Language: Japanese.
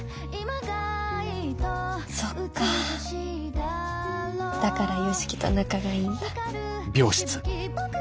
そっかだから良樹と仲がいいんだ。